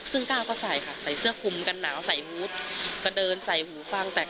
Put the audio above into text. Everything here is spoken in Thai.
ซึ่งก้าวก็ใส่ค่ะใส่เสื้อคุมกันหนาวใส่มูธก็เดินใส่หูฟังแตก